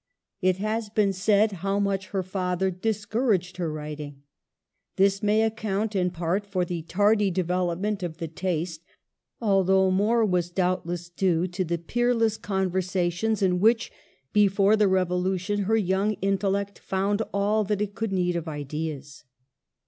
It has been said how much her father discouraged her writing. This may account in part for the tardy development of the taste, al though more was doubtless due to the peerless conversations in which, before the Revolution, her young intellect found all that it could need of ideas.